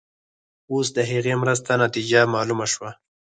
اوس د هغې مرستې نتیجه معلومه شوه.